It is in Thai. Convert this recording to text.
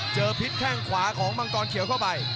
พิษแข้งขวาของมังกรเขียวเข้าไป